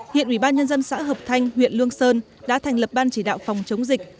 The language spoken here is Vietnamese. hiện ủy ban nhân dân xã hợp thanh huyện lương sơn đã thành lập ban chỉ đạo phòng chống dịch